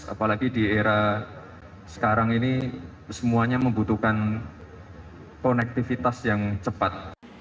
apalagi di era sekarang ini semuanya membutuhkan konektivitas yang cepat